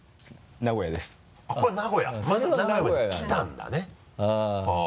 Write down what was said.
名古屋に来たんだねはぁ。